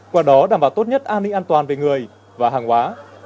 qua đó đảm bảo tốt nhất an ninh an toàn về người và hàng hóa